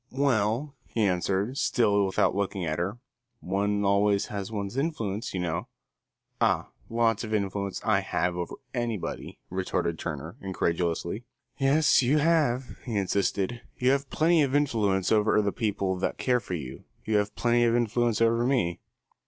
"Well," he answered, still without looking at her, "one always has one's influence, you know." "Ah, lots of influence I have over anybody," retorted Turner, incredulously. "Yes, you have," he insisted. "You have plenty of influence over the people that care for you. You have plenty of influence over me."